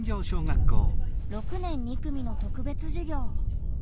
６年２組の特別授業。